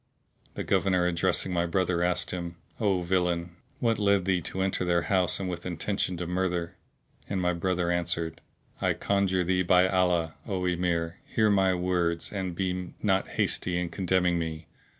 The Governor addressing my brother asked him, "O villain, what led thee to enter their house with intention to murther?"; and my brother answered, "I conjure thee by Allah, O Emir, hear my words and be not hasty in condemning me!"